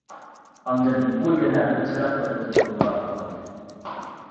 ئاندىن ئۇ يەنە بىر چىراغ تەرەپكە يېقىنلاپ باردى.